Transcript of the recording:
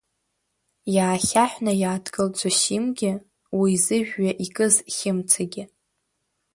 Иаахьаҳәны иааҭгылт Зосимгьы уи зыжәҩа икыз Хьымцагьы.